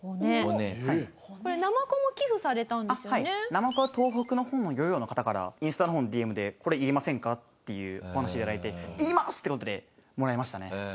ナマコは東北の方の漁業の方からインスタの方のＤＭで「これいりませんか？」っていうお話をいただいて「いります！」って事でもらいましたね。